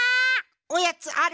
おやつある？